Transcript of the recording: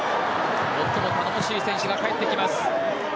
最も頼もしい選手が帰ってきます。